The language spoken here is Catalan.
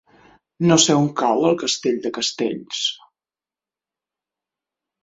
No sé on cau Castell de Castells.